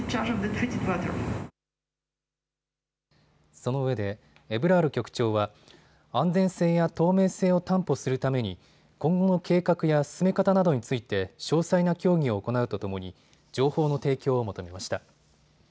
そのうえでエブラール局長は安全性や透明性を担保するために今後の計画や進め方などについて詳細な協議を行うとともに情報の提供を求めました。